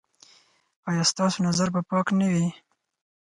ایا ستاسو نظر به پاک نه وي؟